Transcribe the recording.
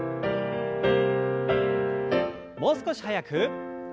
もう少し速く。